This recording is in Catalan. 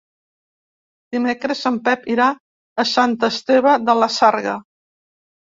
Dimecres en Pep irà a Sant Esteve de la Sarga.